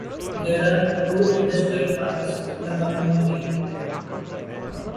There are two industrial parks in the community.